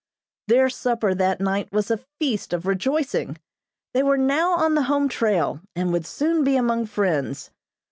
Their supper that night was a feast of rejoicing. They were now on the home trail, and would soon be among friends.